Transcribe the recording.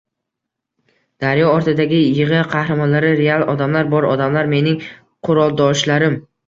Daryo ortidagi yig‘i qahramonlari real odamlar, bor odamlar, mening quroldoshlarim